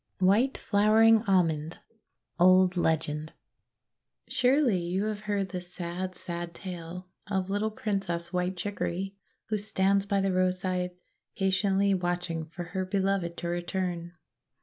WHITE FLOWERING ALMOND Old Legend SURELY you have heard the sad, sad tale of little Princess White Chicory, who stands by the road side, patiently watching for her Beloved to re turn.